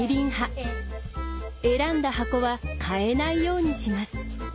選んだ箱は変えないようにします。